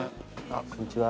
こんにちは。